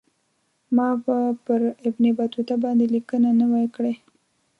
ما به پر ابن بطوطه باندې لیکنه نه وای کړې.